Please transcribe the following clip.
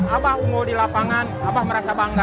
abah unggul di lapangan abah merasa bangga